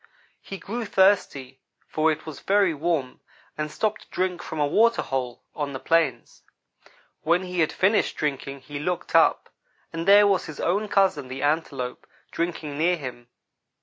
He grew thirsty, for it was very warm, and stopped to drink from a water hole on the plains. When he had finished drinking he looked up, and there was his own cousin, the Antelope, drinking near him.